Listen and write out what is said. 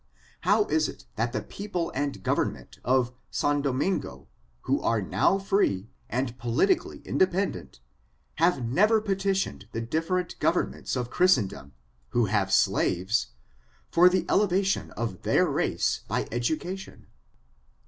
How is it that the people and government of San Domingo, who are now free and politically indepen dent, have never petitioned the different governments of Christendom, who have slaves, for the elevation of their race by education